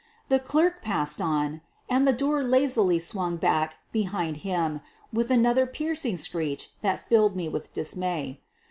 The clerk passed on, and the door lazily swung back behind him with another piercing screech that filled me with dismay.